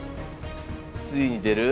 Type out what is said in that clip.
ついに出る？